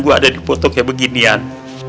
gue ada dipotong kayak beginian